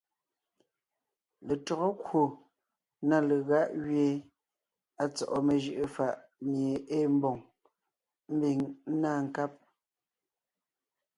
Letÿɔgɔ kwò na legáʼ gẅie à tsɔ́ʼɔ mejʉʼʉ fàʼ mie ée mbòŋ, ḿbiŋ ńná nkáb,